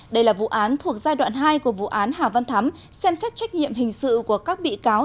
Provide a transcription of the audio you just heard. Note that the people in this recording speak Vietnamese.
đây là vụ án thuộc giai đoạn hai của vụ án hà văn thắm xem xét trách nhiệm hình sự của các bị cáo